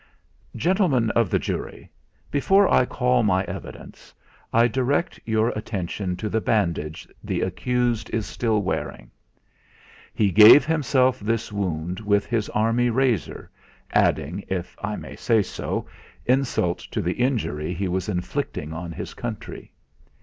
"Gentlemen of the jury, before I call my evidence, I direct your attention to the bandage the accused is still wearing. He gave himself this wound with his Army razor, adding, if I may say so, insult to the injury he was inflicting on his country.